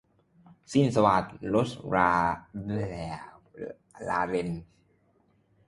สิ้นสวาท - โรสลาเรน